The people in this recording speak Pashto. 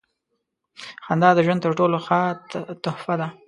• خندا د ژوند تر ټولو ښه تحفه ده.